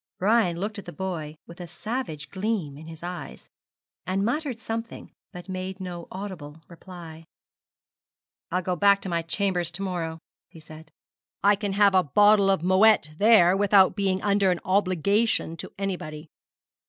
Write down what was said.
Brian looked at the boy with a savage gleam in his eyes, and muttered something, but made no audible reply. 'I'll go back to my chambers to morrow,' he said: 'I can have a bottle of Moët there without being under an obligation to anybody.